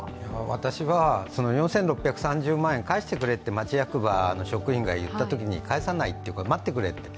私は４６３０万円返してくれと町役場の職員が職員が言ったときに、返さないというか、待ってくれと。